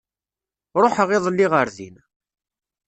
Ruḥeɣ iḍelli ɣer din.